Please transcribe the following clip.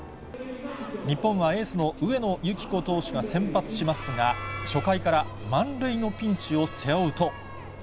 日本はエースの上野由岐子投手が先発しますが、初回から満塁のピンチを背負うと。